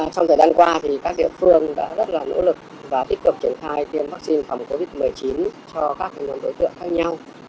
trong thời gian qua thì các địa phương đã rất là nỗ lực và tích cực triển khai tiêm vaccine phòng covid một mươi chín cho các đối tượng khác nhau